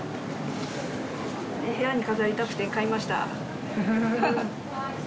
部屋に飾りたくて買いました。